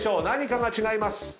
何かが違います。